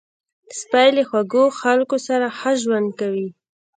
سپي له خوږو خلکو سره ښه ژوند کوي.